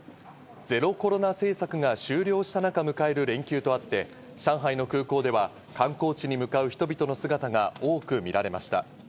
ゼロコロナ政策が終了した中、迎える連休とあって、上海の空港では観光地に向かう人々の姿が多く見られました。